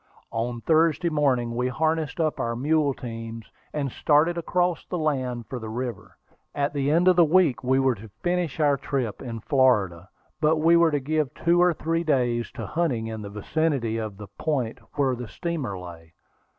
On Thursday morning we harnessed up our mule teams, and started across the land for the river. At the end of the week we were to finish our trip in Florida; but we were to give two or three days to hunting in the vicinity of the point where the steamer lay.